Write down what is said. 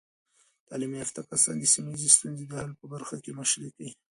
تعلیم یافته کسان د سیمه ایزې ستونزو د حل په برخه کې مشري کوي.